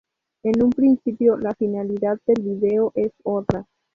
En un principio la finalidad del video es otra.